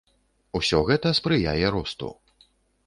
Усё гэта спрыяе росту.